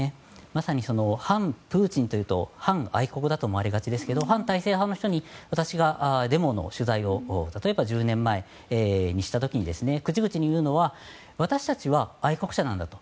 まさに反プーチンというと反愛国だと思われがちですけど反体制派の人たちに私がデモの取材を例えば１０年前にした時に口々に言うのは私たちは愛国者なんだと。